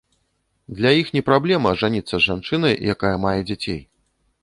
Для іх не праблема ажаніцца з жанчынай, якая мае дзяцей.